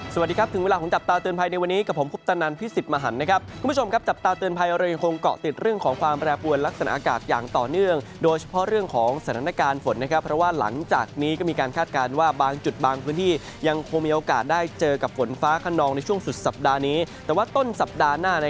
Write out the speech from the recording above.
สวัสดีครับถึงเวลาของจับตาเตือนภัยในวันนี้กับผมพุทธนันทร์พิศิษฐ์มหันต์นะครับคุณผู้ชมครับจับตาเตือนภัยเรายังคงเกาะติดเรื่องของความแปรปวนลักษณะอากาศอย่างต่อเนื่องโดยเฉพาะเรื่องของสถานการณ์ฝนนะครับเพราะว่าหลังจากนี้ก็มีการคาดการณ์ว่าบางจุดบางพื้นที่ยังควรมี